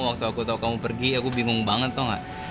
waktu aku tau kamu pergi aku bingung banget tau gak